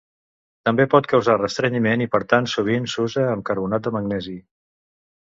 També pot causar restrenyiment i per tant sovint s'usa amb carbonat de magnesi.